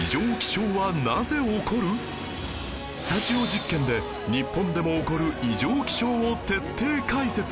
スタジオ実験で日本でも起こる異常気象を徹底解説